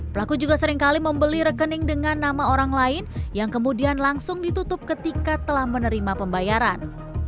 pelaku juga seringkali membeli rekening dengan nama orang lain yang kemudian langsung ditutup ketika telah menerima pembayaran